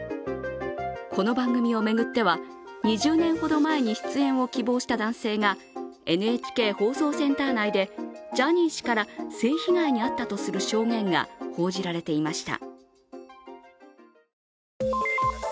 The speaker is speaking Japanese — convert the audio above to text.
この番組を巡っては、２０年ほど前に出演を希望した男性がＮＨＫ放送センター内でジャニー氏から性被害に遭ったとする証言が報じられていました。